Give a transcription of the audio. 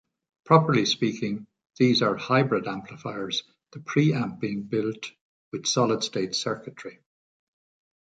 Properly speaking these are hybrid amplifiers, the pre-amp being built with solid-state circuitry.